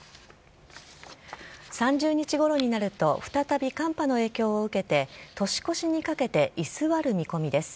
３０日ごろになると、再び寒波の影響を受けて、年越しにかけて居座る見込みです。